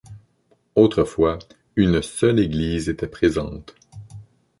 Autrefois, une seule église était présente.